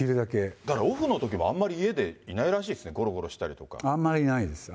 だからオフのときも、あんまり家でいないらしいですね、ごろあんまりいないです。